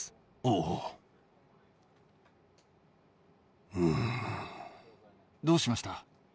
おお。どうしました？